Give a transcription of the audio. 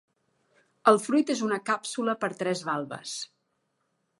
El fruit és una càpsula per tres valves.